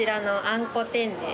あんこ天米？